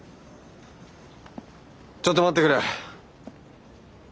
ちょっと待ってくれ！